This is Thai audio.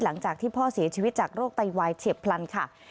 หลังจากที่พ่อเสียชีวิตจากโรคไตวายเฉียบพลันค่ะ